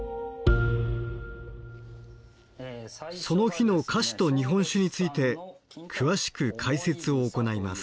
その日の菓子と日本酒について詳しく解説を行います。